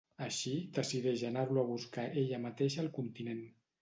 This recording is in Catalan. Així, decideix anar-lo a buscar ella mateixa al continent.